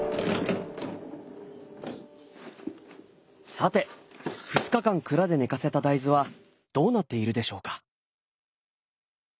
さて２日間蔵で寝かせた大豆はどうなっているでしょうか？